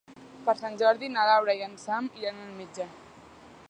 Per Sant Jordi na Laura i en Sam iran al metge.